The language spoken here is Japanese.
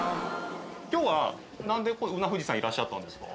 きょうはなんで、このうな富士さんにいらっしゃったんですか。